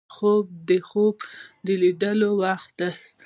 خوب د خوب لیدلو وخت دی